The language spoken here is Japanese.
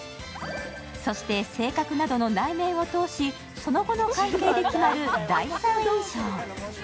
そして、性格などの内面を通しその後の関係で決まる第三印象。